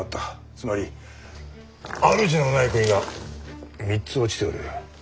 つまり主のない国が３つ落ちておる。